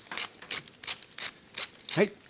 はい。